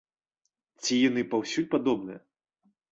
Ці яны паўсюль падобныя?